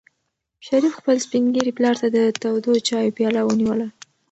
شریف خپل سپین ږیري پلار ته د تودو چایو پیاله ونیوله.